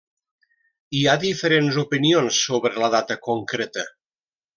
Hi ha diferents opinions sobre la data concreta.